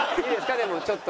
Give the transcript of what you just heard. でもちょっと。